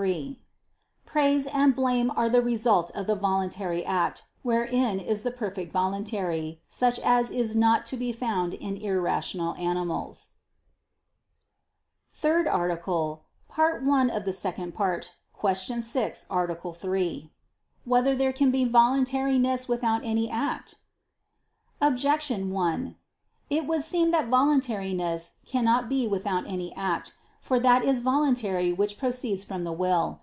3: Praise and blame are the result of the voluntary act, wherein is the perfect voluntary; such as is not to be found in irrational animals. ________________________ THIRD ARTICLE [I II, Q. 6, Art. 3] Whether There Can Be Voluntariness Without Any Act? Objection 1: It would seem that voluntariness cannot be without any act. For that is voluntary which proceeds from the will.